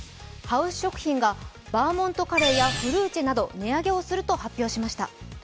ハウス食品がバーモントカレーやフルーチェなど値上げをすると発表しました。